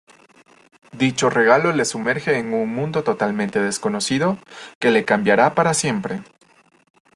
Dicho regalo le sumerge en un mundo totalmente desconocido que le cambiará para siempre.